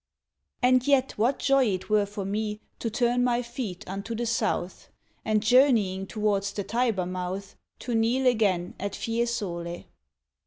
AND yet what joy it were for me To turn my feet unto the south, And journeying towards the Tiber mouth To kneel again at Fiesole!